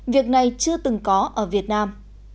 việc này chưa từng có ở việt nam